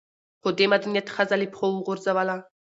خو دې مدنيت ښځه له پښو وغورځوله